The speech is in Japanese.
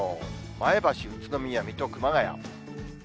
前橋、宇都宮、水戸、熊谷。